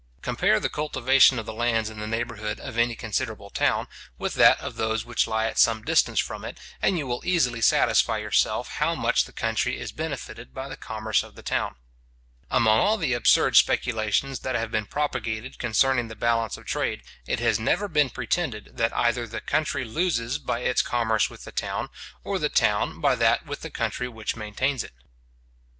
Compare the cultivation of the lands in the neighbourhood of any considerable town, with that of those which lie at some distance from it, and you will easily satisfy yourself bow much the country is benefited by the commerce of the town. Among all the absurd speculations that have been propagated concerning the balance of trade, it has never been pretended that either the country loses by its commerce with the town, or the town by that with the country which maintains it.